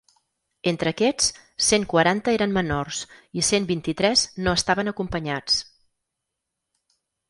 Entre aquests, cent quaranta eren menors i cent vint-i-tres no estaven acompanyats.